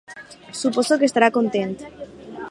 Suposo que estarà content.